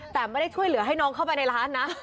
แต่ไม่ได้ช่วยเหลือให้น้องเข้าไปในร้านนะ